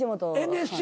ＮＳＣ？